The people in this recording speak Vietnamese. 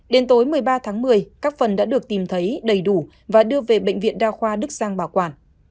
đến tối một mươi ba tháng một mươi các phần đã được tìm thấy đầy đủ và đưa về bệnh viện đa khoa đức giang bảo quản